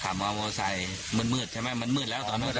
หาบรมอวไลน์มัดใช่มั้ยมันมืดแล้วตอนมืด